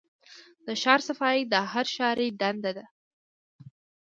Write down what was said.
د ښار صفايي د هر ښاري دنده ده.